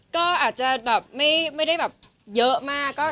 ก็อาจจะแบบไม่ได้แบบเยอะมาก